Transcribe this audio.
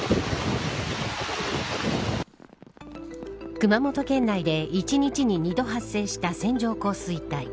熊本県内で１日に２度発生した線状降水帯。